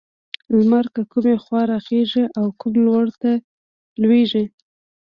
لمر له کومې خوا راخيژي او کوم لور ته لوېږي؟